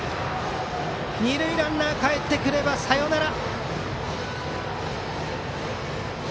二塁ランナーがかえってくればサヨナラ。